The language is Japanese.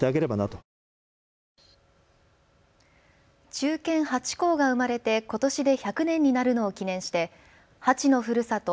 忠犬ハチ公が生まれてことしで１００年になるのを記念してハチのふるさと